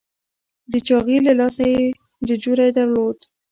د چاغي له لاسه یې ججوری درلود.